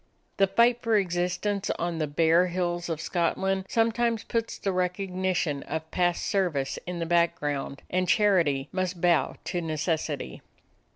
The fight for existence on the bare hills of Scotland sometimes puts the recognition of past service in the background, and charity must bow to necessity.